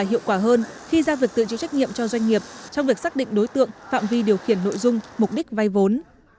hiệu quả hơn khi ra việc tự chịu trách nhiệm cho doanh nghiệp trong việc xác định đối tượng phạm vi điều khiển nội dung mục đích vay vốn